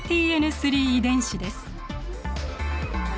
３遺伝子です。